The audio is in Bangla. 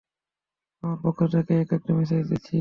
আমার পক্ষ থেকে একোটি মেসেজ দিচ্ছি।